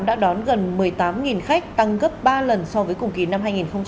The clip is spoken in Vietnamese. đã đón gần một mươi tám khách tăng gấp ba lần so với cùng kỳ năm hai nghìn một mươi tám